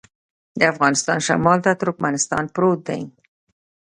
د افغانستان شمال ته ترکمنستان پروت دی